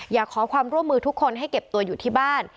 อยากขอความร่วมมือทุกคนให้เก็บตัวอยู่ที่บ้าน